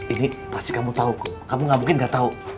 ini pasti kamu tau kamu gak mungkin gak tau